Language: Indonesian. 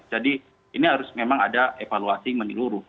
jadi ini harus memang ada evaluasi meniluruh